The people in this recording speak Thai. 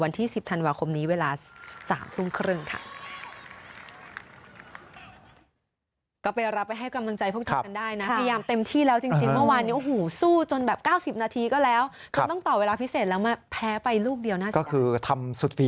วันที่๑๐ธันวาคมนี้เวลา๓ทุ่มครึ่งค่ะ